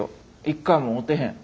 一回も会うてへん。